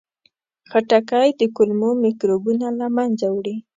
خټکی د کولمو میکروبونه له منځه وړي.